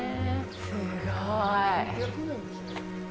すごーい。